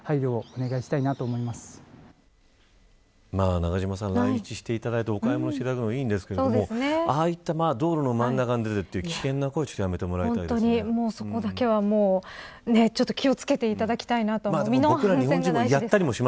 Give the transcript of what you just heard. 永島さん、来日していただいてお買い物していただくのはいいんですけどああいった道路の真ん中に出る危険な行為は本当に、そこだけは気をつけていただきたいなと。